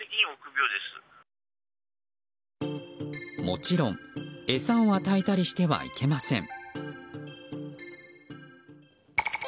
もちろん餌を与えたりしてはいけません。